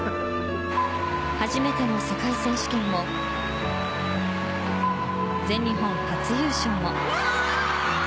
初めての世界選手権も全日本初優勝も。